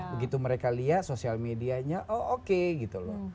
begitu mereka lihat sosial medianya oh oke gitu loh